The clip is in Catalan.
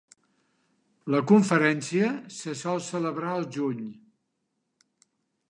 La conferència se sol celebrar al juny.